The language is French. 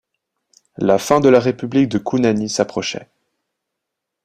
La fin de la république de Counani s'approchait.